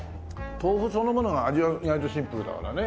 豆腐そのものが味は意外とシンプルだからね。